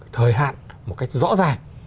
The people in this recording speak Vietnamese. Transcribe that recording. thời hạn một cách rõ ràng